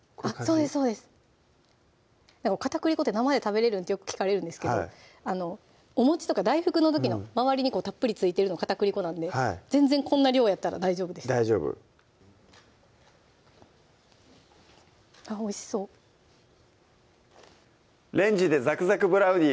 「片栗粉って生で食べれるん？」ってよく聞かれるんですけどお餅とか大福の時の周りにたっぷり付いてるの片栗粉なんで全然こんな量やったら大丈夫です大丈夫おいしそう「レンジでザクザクブラウニー」